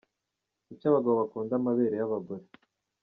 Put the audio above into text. Kuki abagabo bakunda amabere y’abagore